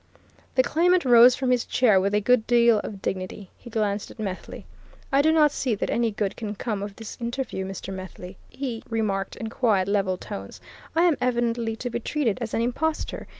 The claimant rose from his chair with a good deal of dignity. He glanced at Methley. "I do not see that any good can come of this interview, Mr. Methley," he remarked in quiet, level tones. "I am evidently to be treated as an impostor.